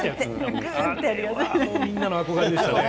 みんなの憧れでしたよね。